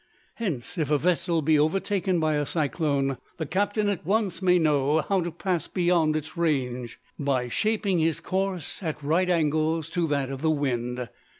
Hence, if a vessel be overtaken by a cyclone, the captain at once may know how to pass beyond its range, by shaping his course at right angles to that of the wind.